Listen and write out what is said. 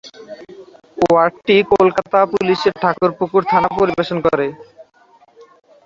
ওয়ার্ডটি কলকাতা পুলিশের ঠাকুরপুকুর থানা পরিবেশন করে।